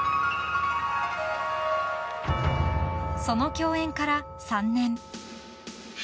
［その共演から３年］